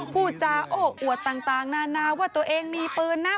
พูดจาโอ้อวดต่างนานาว่าตัวเองมีปืนนะ